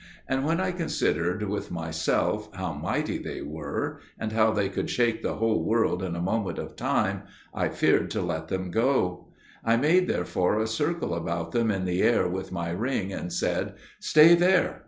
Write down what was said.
And when I considered with myself how mighty they were, and how they could shake the whole world in a moment of time, I feared to let them go; I made therefore a circle about them in the air with my ring, and said, "Stay there!"